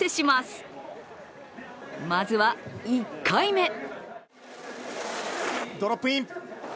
まずは、１回目。